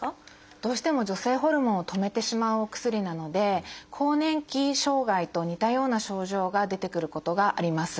どうしても女性ホルモンを止めてしまうお薬なので更年期障害と似たような症状が出てくることがあります。